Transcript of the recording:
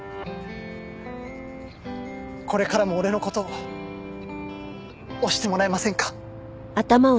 これからも俺の事を推してもらえませんか？